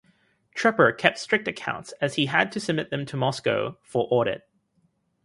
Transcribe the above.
Trepper kept strict accounts as he had to submit them to Moscow for audit.